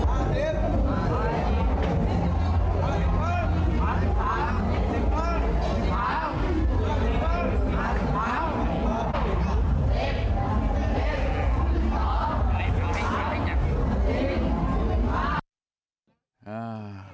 สำคัญที่อยู่นี่นะอ่า